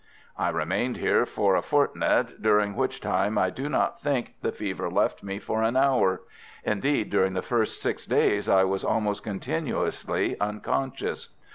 I remained here for a fortnight, during which time I do not think the fever left me for an hour; indeed, during the first six days I was almost continuously unconscious.